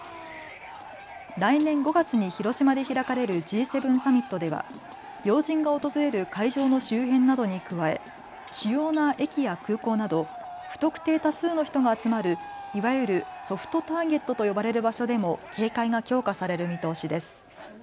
来年５月に広島で開かれるＧ７サミットでは、要人が訪れる会場の周辺などに加え主要な駅や空港など不特定多数の人が集まるいわゆるソフトターゲットと呼ばれる場所でも警戒が強化される見通しです。